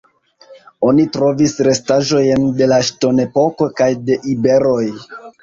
Oni trovis restaĵojn de la Ŝtonepoko kaj de iberoj.